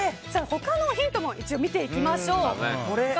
他のヒントも一応、見ていきましょう。